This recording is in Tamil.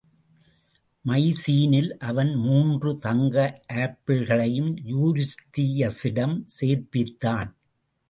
மைசீனில் அவன் மூன்று தங்க ஆப்பிள்களையும் யூரிஸ்தியஸிடம் சேர்ப்பித்தான்.